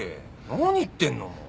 何言ってんのもう。